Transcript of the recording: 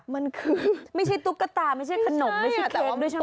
มันคือไม่ใช่ตุ๊กตาไม่ใช่ขนมไม่ใช่เค้กด้วยใช่ไหม